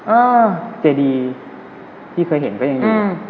เออเจดีที่เคยเห็นก็ยังอย่างนี้